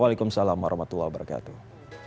waalaikumsalam warahmatullahi wabarakatuh